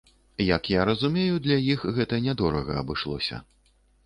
Як я разумею, для іх гэта нядорага абышлося.